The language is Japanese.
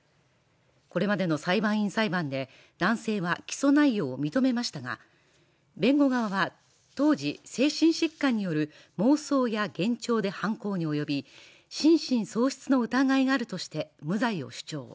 これまでの裁判員裁判で男性は起訴内容を認めましたが、弁護側は当時、精神疾患による妄想や幻聴で犯行に及び、心神喪失の疑いがあるとして無罪を主張。